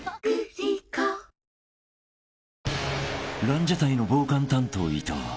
［ランジャタイの傍観担当伊藤］